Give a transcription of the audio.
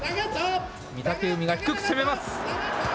御嶽海が低く攻めます。